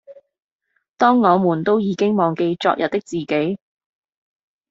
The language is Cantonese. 當我們都已經忘記昨日的自己